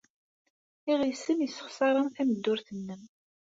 Iɣisem yessexṣer-am tameddurt-nnem.